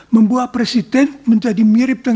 membuat presiden menjadi milik semua